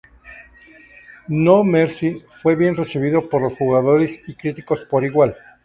No Mercy fue bien recibido por los jugadores y críticos por igual.